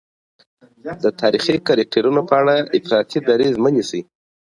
د تاریخي کرکټرونو په اړه افراطي دریځ مه نیسئ.